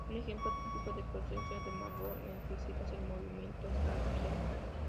Un ejemplo típico de proceso de Markov en física es el Movimiento browniano.